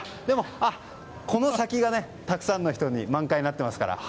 この先、たくさんの人に満開になっていますから。